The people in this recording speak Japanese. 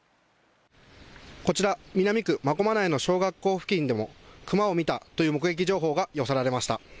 こちら南区真駒内の小学校付近でもクマを見たという目撃情報が寄せられました。